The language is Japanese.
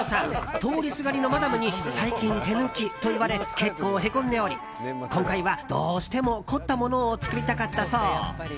通りすがりのマダムに最近、手抜きと言われ結構へこんでおり今回は、どうしても凝ったものを作りたかったそう。